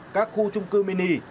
các khu trung cư mini